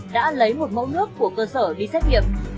đã lấy một mẫu nước của cơ sở đi xét nghiệm